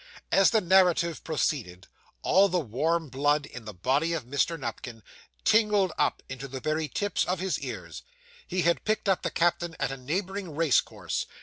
As the narrative proceeded, all the warm blood in the body of Mr. Nupkins tingled up into the very tips of his ears. He had picked up the captain at a neighbouring race course.